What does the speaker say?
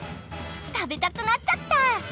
食べたくなっちゃった！